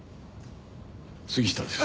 杉下です。